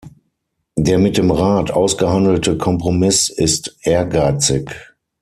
Der mit dem Rat ausgehandelte Kompromiss ist ehrgeizig.